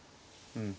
うん。